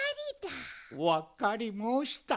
わかりもうした。